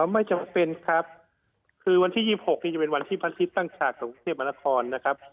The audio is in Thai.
ไม่จำเป็นครับคือวันที่๒๖นี่จะเป็นวันที่พระอาทิตย์ตั้งฉากของกรุงเทพมนาคอนนะครับ